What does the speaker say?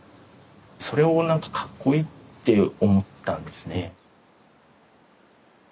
それをなんかかっこいいって思ったんですね。